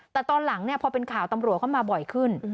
แต่ตอนหลังพอเป็นข่าวตำรวจเข้ามาบ่อยขึ้น